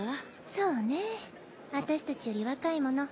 そうねぇ私たちより若いもの。